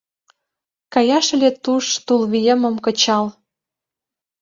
Каяш ыле туш тул виемым кычал.